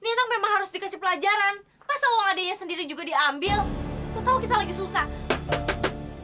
ini nih bu memang harus dikasih pelajaran pasal ada yang sendiri juga diambil kita lagi susah